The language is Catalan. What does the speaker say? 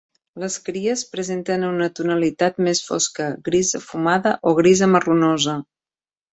Les cries presenten una tonalitat més fosca, grisa fumada o grisa marronosa.